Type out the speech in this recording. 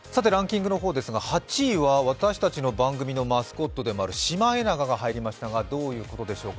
８位は私たちの番組のマスコットであるシマエナガが入りましたが、どういうことでしょうか？